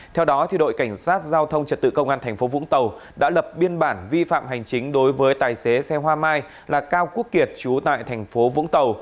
theo đó đội cảnh sát giao thông trật tự công an tp vũng tàu đã lập biên bản vi phạm hành chính đối với tài xế xe hoa mai là cao quốc kiệt trú tại thành phố vũng tàu